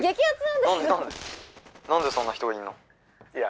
「なんでそんな人がいんの？」。